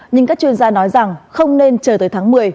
nhưng các chuyên gia nói rằng không nên chờ tới tháng một mươi